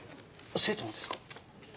生徒のですか？